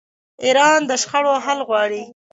ایران د شخړو حل غواړي.